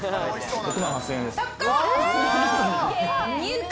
６万８０００円です。